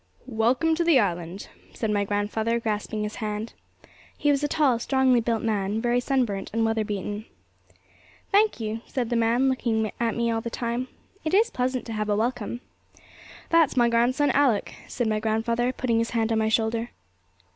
'Welcome to the island,' said my grandfather, grasping his hand. He was a tall, strongly built man, very sun burnt and weather beaten. 'Thank you,' said the man, looking at me all the time. 'It is pleasant to have a welcome.' 'That's my grandson Alick,' said my grandfather, putting his hand on my shoulder.